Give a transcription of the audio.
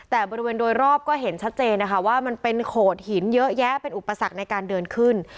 แต่บริเวณโดยรอบก็เห็นชัดเจนนะคะว่ามันเป็นโขดหินเยอะแยะเป็นอุปสรรคในการเดินขึ้น